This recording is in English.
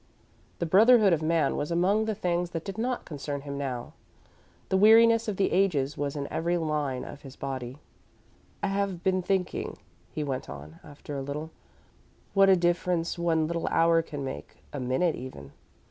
The brotherhood of man was among the things that did not concern him now. The weariness of the ages was in every line of his body. "I have been thinking," he went on, after a little, "what a difference one little hour can make, a minute, even.